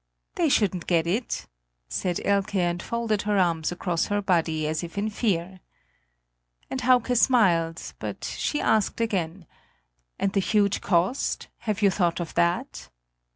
"They shouldn't get it!" said Elke and folded her arms across her body as if in fear. And Hauke smiled; but she asked again: "And the huge cost? Have you thought of that?"